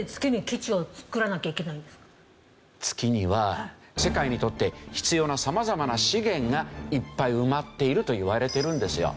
月には世界にとって必要な様々な資源がいっぱい埋まっているといわれてるんですよ。